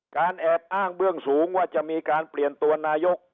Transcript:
แอบอ้างเบื้องสูงว่าจะมีการเปลี่ยนตัวนายก